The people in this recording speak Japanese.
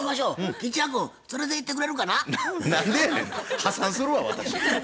破産するわ私。